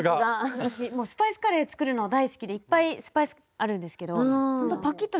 私もうスパイスカレー作るの大好きでいっぱいスパイスあるんですけどほんとパキッとした黄色ですよね。